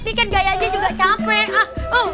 pikir gaya dia juga capek